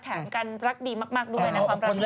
แถมกันรักดีมากด้วยนะความรักด้วย